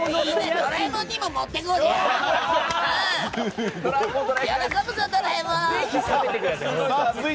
ドラえもんにも持ってきて！